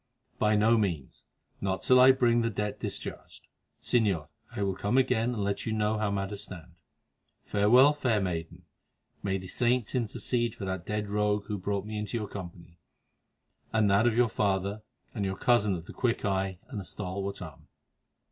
"By no means; not till I bring the debt discharged. Señor, I will come again and let you know how matters stand. Farewell, fair maiden; may the saints intercede for that dead rogue who brought me into your company, and that of your father and your cousin of the quick eye and the stalwart arm!